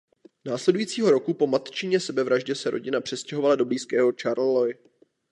Následujícího roku po matčině sebevraždě se rodina přestěhovala do blízkého Charleroi.